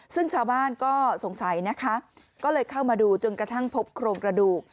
ซึ่งชาวบ้านก็สงสัยนะคะก็เลยเข้ามาดูจนกระทั่งพบโครงกระดูก